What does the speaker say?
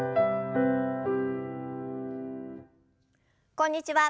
こんにちは